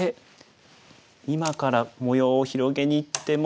今から模様を広げにいっても。